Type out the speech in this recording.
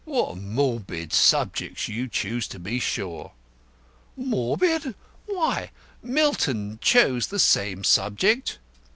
"What morbid subjects you choose, to be sure!" "Morbid! Why, Milton chose the same subject!"